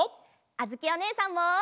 あづきおねえさんも！